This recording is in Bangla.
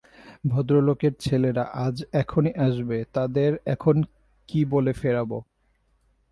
ভদ্রলোকের ছেলেরা আজ এখনই আসবে, তাদের এখন কী বলে ফেরাব।